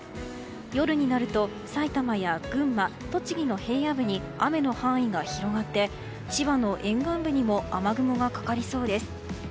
夜になると埼玉や群馬、栃木の平野部に雨の範囲が広がって千葉の沿岸部にも雨雲がかかりそうです。